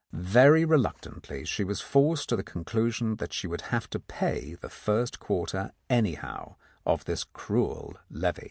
Very reluctantly she was forced to the conclusion that she would have to pay the first quarter anyhow of this cruel levy.